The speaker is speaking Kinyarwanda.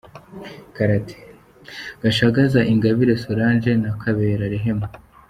Karate: Gashagaza Ingabire Solange na Kabera Rehema.